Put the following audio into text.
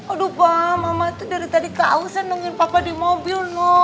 aduh pak mama tuh dari tadi keausan nungguin papa di mobil no